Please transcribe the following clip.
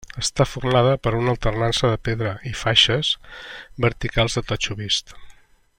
Està formada per una alternança de pedra i faixes verticals de totxo vist.